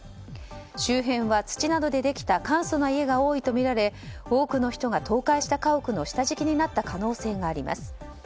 周辺は土などでできた簡素な家が多いとみられ多くの人が倒壊した家屋の下敷きになった可能性があります。